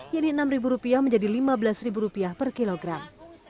yenit enam rupiah menjadi lima belas rupiah per kilogram